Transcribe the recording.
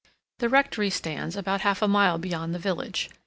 The Rectory stands about half a mile beyond the village.